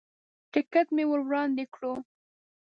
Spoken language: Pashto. ټکټ مې ور وړاندې کړو.